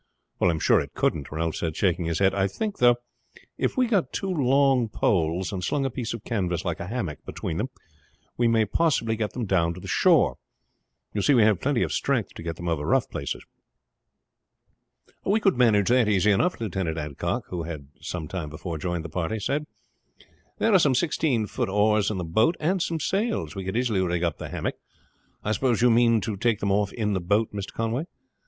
"I am sure it couldn't," Ralph said, shaking his head. "I think, though, if we got two long poles and slung a piece of canvas like a hammock between them we may possibly get them down to the shore. You see we have plenty of strength to get them over rough places." "We could manage that easy enough," Lieutenant Adcock, who had some time before joined the party, said. "There are some sixteen feet oars in the boat and some sails. We could easily rig up the hammock. I suppose you mean to take them off in the boat, Mr. Conway?"